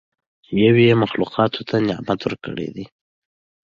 چې یو ئي مخلوقاتو ته نعمتونه ورکړي دي